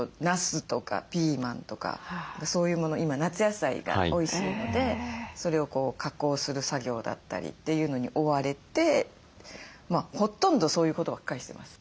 今夏野菜がおいしいのでそれを加工する作業だったりっていうのに追われてほとんどそういうことばっかりしてます。